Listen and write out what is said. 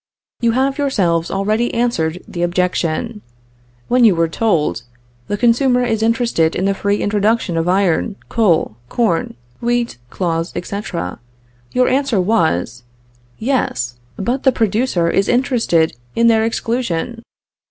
"You have yourselves already answered the objection. When you were told: The consumer is interested in the free introduction of iron, coal, corn, wheat, cloths, etc., your answer was: Yes, but the producer is interested in their exclusion.